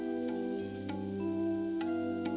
janganlah kau berguna